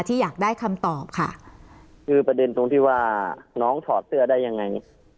อยากได้คำตอบค่ะคือประเด็นตรงที่ว่าน้องถอดเสื้อได้ยังไง